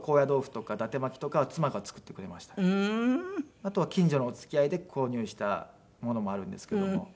あとは近所のお付き合いで購入したものもあるんですけども。